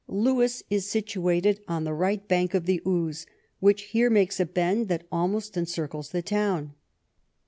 Lewes is situated on the right bank of the Ouse, which here makes a bend that almost encircles the town.